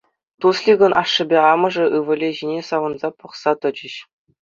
Тусликӑн ашшӗпе амӑшӗ ывӑлӗ ҫине савӑнса пӑхса тӑчӗҫ.